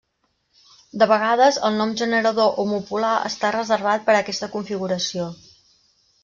De vegades el nom generador homopolar està reservat per a aquesta configuració.